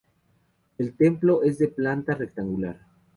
El templo es de planta rectangular.